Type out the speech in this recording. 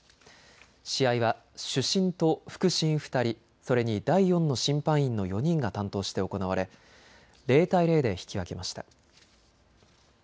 試合は主審と副審２人、それに第４の審判員の４人が担当して行われ０対０で引き分けました。